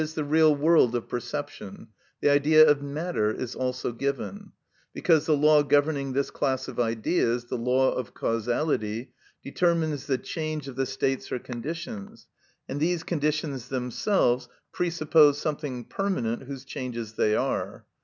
_, the real world of perception, the idea of matter is also given; because the law governing this class of ideas, the law of causality, determines the change of the states or conditions, and these conditions themselves presuppose something permanent, whose changes they are.